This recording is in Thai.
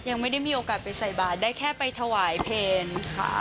ยังไม่ได้มีโอกาสไปใส่บาทได้แค่ไปถวายเพลงค่ะ